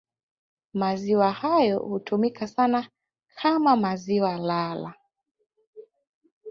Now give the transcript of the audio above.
Maziwa hayo hutumika sana kama maziwa lala